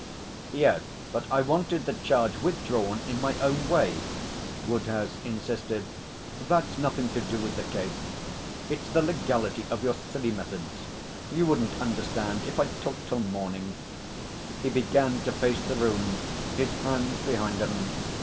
'Yes, but I wanted the charge withdrawn in my own way,' Woodhouse insisted. 'That's nothing to do with the case. It's the legality of your silly methods. You wouldn't understand if I talked till morning,' He began to pace the room, his hands behind him.